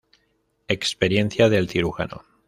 Experiencia del cirujano.